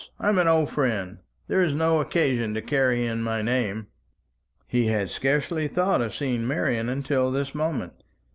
I am an old friend. There is no occasion to carry in my name." He had scarcely thought of seeing Marian until this moment.